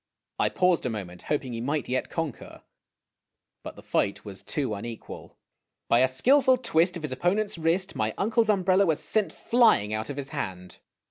I paused a moment, hoping he might yet conquer, but the fight was too unequal. By a skilful twist of his opponent's wrist my uncle's umbrella was sent flying out of his hand.